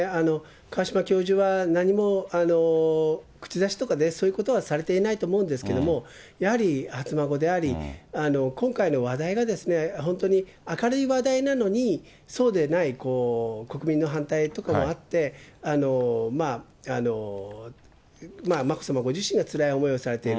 川嶋教授は何も口出しとかね、そういうことはされていないと思うんですけども、やはり、初孫であり、今回の話題が、本当に明るい話題なのに、そうでない、国民の反対とかもあって、眞子さまご自身がつらい思いをされている。